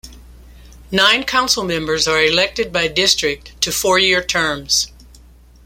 Nine Councilmembers are elected by district to four-year terms.